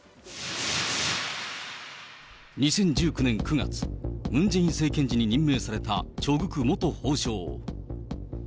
２０１９年９月、ムン・ジェイン政権時に任命されたチョ・グク元法相。